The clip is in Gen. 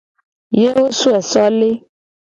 Ye wo soe so le.